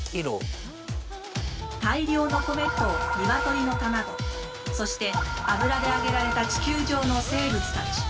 大量の米と鶏の卵そして油で揚げられた地球上の生物たち。